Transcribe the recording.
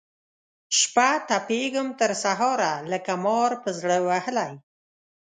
شپه تپېږم تر سهاره لکه مار پر زړه وهلی